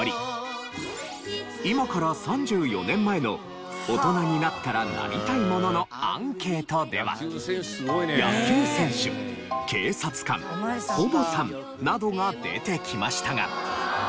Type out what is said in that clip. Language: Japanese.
今から３４年前の「大人になったらなりたいもの」のアンケートでは野球選手警察官保母さんなどが出てきましたが。